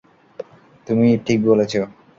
তুমিই ঠিক বলেছ।